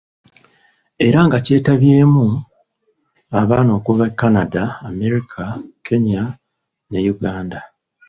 Era nga kyetabyemu abaana okuva e Canada, Amerika, Kenya ne Uganda.